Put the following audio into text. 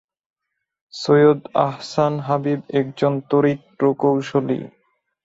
সৈয়দ আহসান হাবিব একজন তড়িৎ প্রকৌশলী।